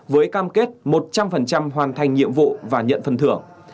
với cam kết một trăm linh hoàn thành nhiệm vụ và nhận phần thưởng